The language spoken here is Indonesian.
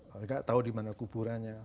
mereka tidak tahu di mana kuburannya